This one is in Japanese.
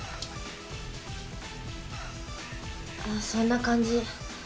ああそんな感じ。